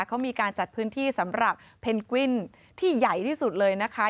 เขามีการจัดพื้นที่สำหรับเพนกวินที่ใหญ่ที่สุดเลยนะคะ